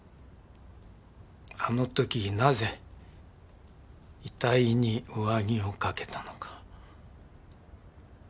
あの時なぜ遺体に上着をかけたのか。